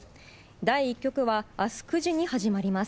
第１局は明日９時に始まります。